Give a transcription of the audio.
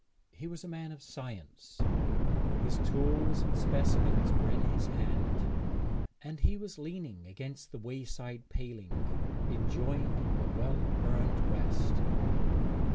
He was a man of science; his tools and specimens were in his hand, and he was leaning against the wayside paling, enjoying a well earned rest.